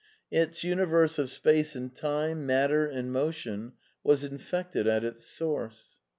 Its universe of space and time, matter and motion, was infected at its source.